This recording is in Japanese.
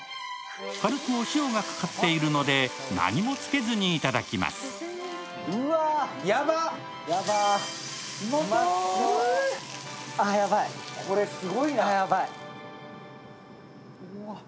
軽くお塩がかかっているので何もつけずに頂けます。